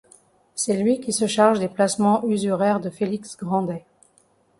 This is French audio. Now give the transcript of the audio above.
C'est lui qui se charge des placements usuraires de Félix Grandet.